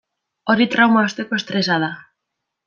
Hori trauma osteko estresa da.